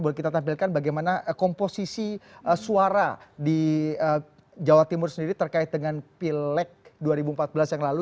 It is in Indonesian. boleh kita tampilkan bagaimana komposisi suara di jawa timur sendiri terkait dengan pileg dua ribu empat belas yang lalu